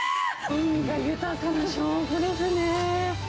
海が豊かな証拠ですね。